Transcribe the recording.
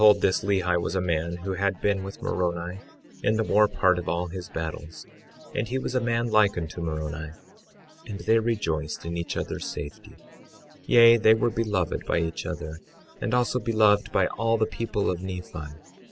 Now behold, this Lehi was a man who had been with Moroni in the more part of all his battles; and he was a man like unto Moroni, and they rejoiced in each other's safety; yea, they were beloved by each other, and also beloved by all the people of Nephi.